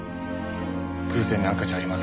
偶然なんかじゃありません。